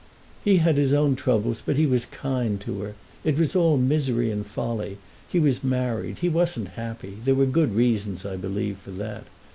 "He had his own troubles, but he was kind to her. It was all misery and folly—he was married. He wasn't happy—there were good reasons, I believe, for that.